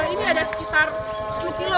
ini ada sekitar sepuluh km